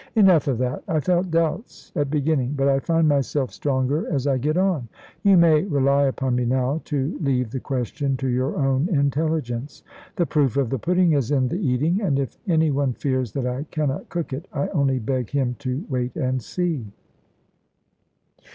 Enough of that. I felt doubts at beginning, but I find myself stronger as I get on. You may rely upon me now to leave the question to your own intelligence. The proof of the pudding is in the eating; and if any one fears that I cannot cook it, I only beg him to wait and see.